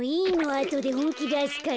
あとでほんきだすから。